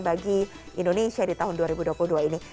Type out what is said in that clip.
bagi indonesia di tahun dua ribu dua puluh dua ini